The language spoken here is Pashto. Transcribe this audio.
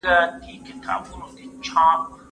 جګړه عادي بلل کيده.